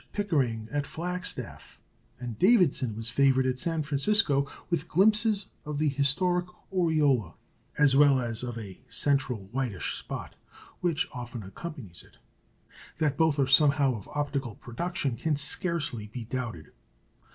Pickering at Flagstaff; and Davidson was favoured at San Francisco with glimpses of the historic aureola, as well as of a central whitish spot, which often accompanies it. That both are somehow of optical production can scarcely be doubted.